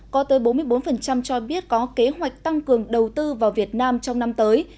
có tới bốn mươi bốn cho biết có kế hoạch tăng cường đầu tư vào việt nam trong năm tới